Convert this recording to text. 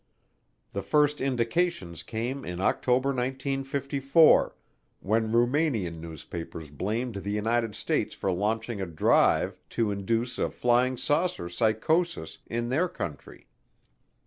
The first indications came in October 1954, when Rumanian newspapers blamed the United States for launching a drive to induce a "flying saucer psychosis" in their country.